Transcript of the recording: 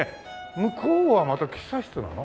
向こうはまた喫茶室なの？